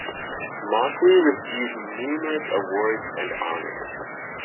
Mauchly received numerous award and honors.